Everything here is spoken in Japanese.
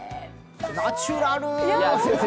ナチュラル。